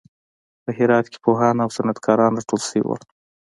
په هرات کې پوهان او صنعت کاران راټول شول.